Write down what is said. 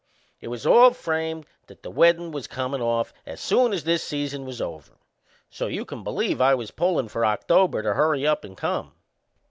It was all framed that the weddin' was comin' off as soon as this season was over; so you can believe I was pullin' for October to hurry up and come.